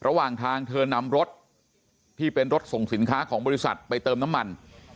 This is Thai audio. ระหว่างทางเธอนำรถที่เป็นรถส่งสินค้าของบริษัทไปเติมน้ำมัน